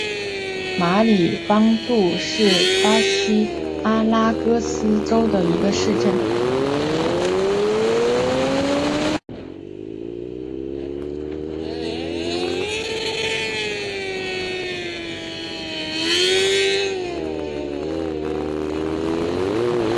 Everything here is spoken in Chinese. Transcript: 按程序宪草审议要举行三读会。